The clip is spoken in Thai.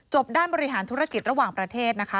ด้านบริหารธุรกิจระหว่างประเทศนะคะ